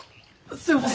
すみません！